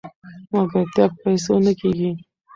ملګرتیا په پیسو نه کیږي.